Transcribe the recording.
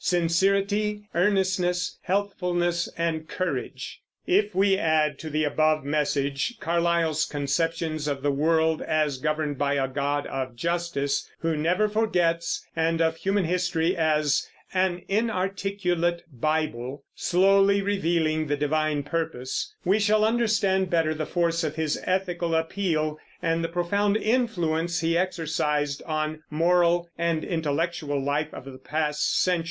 sincerity, earnestness, healthfulness, and courage." If we add to the above message Carlyle's conceptions of the world as governed by a God of justice who never forgets, and of human history as "an inarticulate Bible," slowly revealing the divine purpose, we shall understand better the force of his ethical appeal and the profound influence he exercised on the moral and intellectual life of the past century.